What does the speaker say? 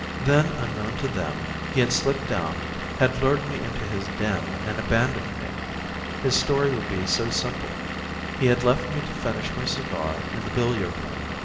Then, unknown to them, he had slipped down, had lured me into his den and abandoned me. His story would be so simple. He had left me to finish my cigar in the billiard room.